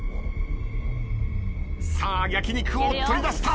さあ焼き肉を取り出した。